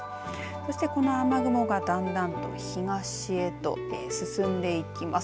そしてこの雨雲がだんだんと東へと進んでいきます。